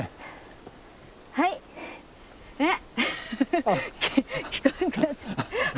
はいえっ？